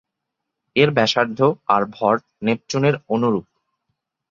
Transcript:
এর ব্যাসার্ধ আর ভর নেপচুনের অনুরুপ।